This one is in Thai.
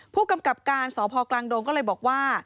ผู้กำกับการสพกลางดงก็เลยบอกว่า